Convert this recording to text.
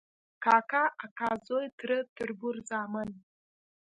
کاکا، اکا زوی ، تره، تربور، زامن ،